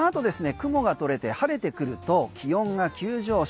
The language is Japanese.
雲が取れて晴れてくると気温が急上昇。